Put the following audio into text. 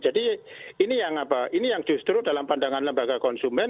jadi ini yang apa ini yang justru dalam pandangan lembaga konsumen